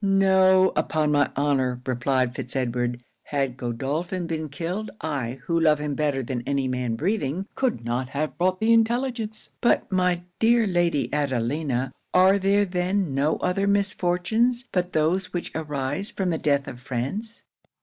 '"No, upon my honour," replied Fitz Edward, "had Godolphin been killed, I, who love him better than any man breathing, could not have brought the intelligence But my dear Lady Adelina, are there then no other misfortunes but those which arise from the death of friends?"